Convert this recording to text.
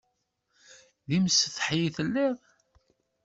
D imsetḥi i telliḍ?